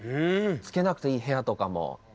つけなくていい部屋とかも。